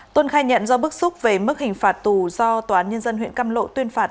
tuân khai nhận do bức xúc về mức hình phạt tù do toán nhân dân huyện căm lộ tuyên phạt